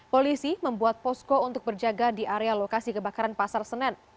polisi membuat posko untuk berjaga di area lokasi kebakaran pasar senen